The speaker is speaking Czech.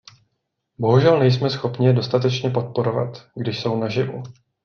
Bohužel nejsme schopni je dostatečně podporovat, když jsou naživu.